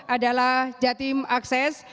adalah jatim akses